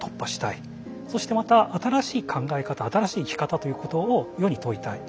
そしてまた新しい考え方新しい生き方ということを世に問いたい。